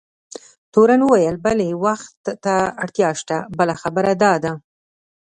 تورن وویل: بلي، وخت ته اړتیا شته، بله خبره دا ده.